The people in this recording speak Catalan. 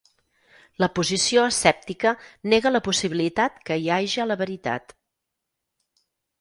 La posició escèptica nega la possibilitat que hi haja la veritat.